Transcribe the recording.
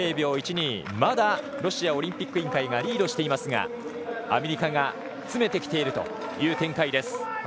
まだロシアオリンピック委員会がリードしていますがアメリカが詰めてきているという展開。